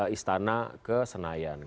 istana ke senayan